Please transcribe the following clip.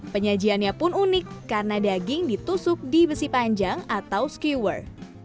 penyajiannya pun unik karena daging ditusuk di besi panjang atau skiwar